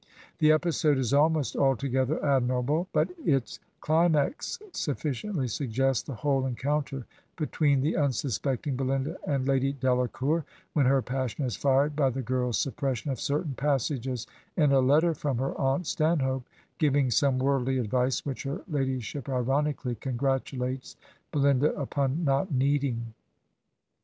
The episode is almost altogether admirable, but its cli max sufficiently suggests the whole encounter between the unsuspecting Belinda and Lady Delacour, when her passion is fired by the girl's suppression of certain passages in a letter from her aunt Stanhope, giving some worldly advice which her ladyship ironically con gratulates Belinda upon not needing.